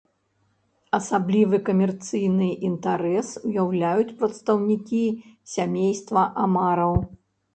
Асаблівы камерцыйны інтарэс уяўляюць прадстаўнікі сямейства амараў.